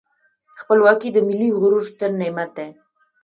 خپلواکي د ملي غرور ستر نعمت دی.